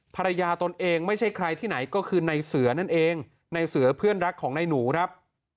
ตนเองไม่ใช่ใครที่ไหนก็คือในเสือนั่นเองในเสือเพื่อนรักของนายหนูครับ